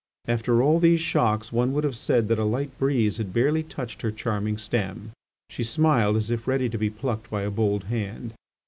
After all these shocks one would have said that a light breeze had barely touched her charming stem; she smiled as if ready to be plucked by a bold hand.